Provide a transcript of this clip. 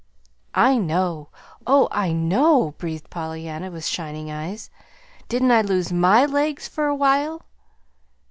"I know, oh, I know," breathed Pollyanna, with shining eyes. "Didn't I lose MY legs for a while?"